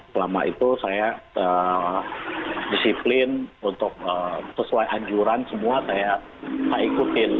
selama itu saya disiplin untuk sesuai anjuran semua saya ikutin